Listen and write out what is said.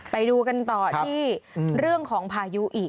ไปดูกันต่อที่เรื่องของพายุอีก